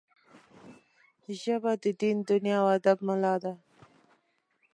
ژبه د دین، دنیا او ادب ملا ده